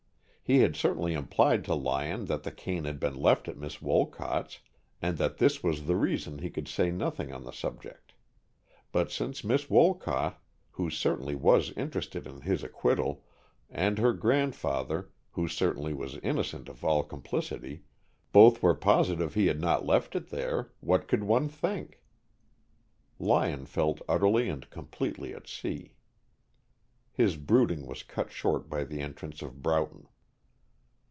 He had certainly implied to Lyon that the cane had been left at Miss Wolcott's, and that this was the reason he could say nothing on the subject. But since Miss Wolcott, who certainly was interested in his acquittal, and her grandfather, who certainly was innocent of all complicity, both were positive he had not left it there, what could one think? Lyon felt utterly and completely at sea. His brooding was cut short by the entrance of Broughton.